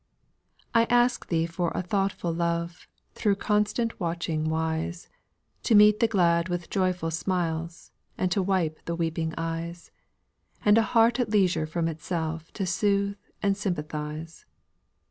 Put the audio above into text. "I ask Thee for a thoughtful love, Through constant watching wise, To meet the glad with joyful smiles, And to wipe the weeping eyes; And a heart at leisure from itself To soothe and sympathise."